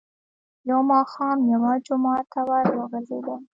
. يو ماښام يوه جومات ته ور وګرځېدم،